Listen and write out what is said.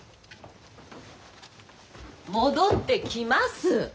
戻ってきます。